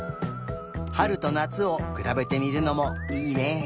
はるとなつをくらべてみるのもいいね。